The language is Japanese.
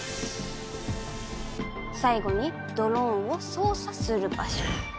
最後にドローンを操作する場所。